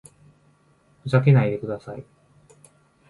ふざけないでください